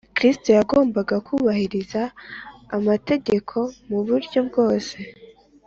, Kristo yagombaga kubahiriza amategeko mu buryo bwose